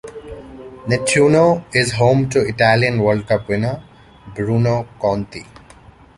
Nettuno is home to Italian World Cup winner Bruno Conti.